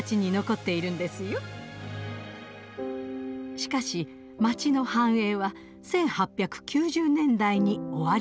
しかし街の繁栄は１８９０年代に終わりを迎えます。